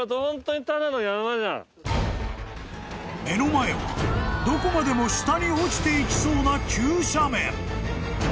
［目の前はどこまでも下に落ちていきそうな］